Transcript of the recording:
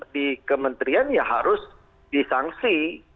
di kementerian ya harus disangsi